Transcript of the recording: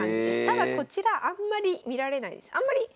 ただこちらあんまり見られないです。